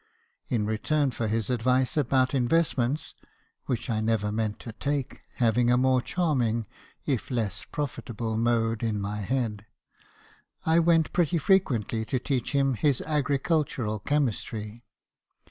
In return for his advice about invest ments (which I never meant to take , having a more charming, if less profitable, mode in my head), I went pretty frequently to teach him his agricultural chemistry.